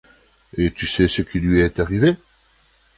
Et tu sais ce qu’il lui est arrivé ?